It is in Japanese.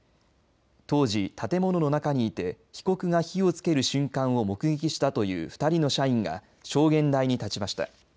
当時、建物の中にいて被告が火をつける瞬間を目撃したという２人の社員が証言台に立ちました。